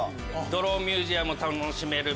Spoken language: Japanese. ドローンミュージアムを楽しめる